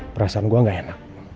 perasaan gue gak enak